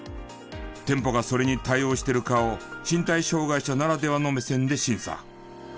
店舗がそれに対応しているかを身体障がい者ならではの目線で審査。